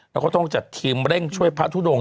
แล้วก็ต้องจัดทีมเร่งช่วยพระทุดง